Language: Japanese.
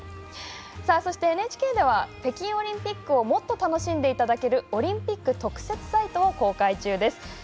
そして、ＮＨＫでは北京オリンピックをもっと楽しんでいただけるオリンピック特設サイトを公開中です。